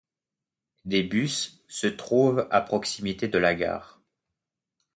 Des bus se trouvent à proximité de la gare.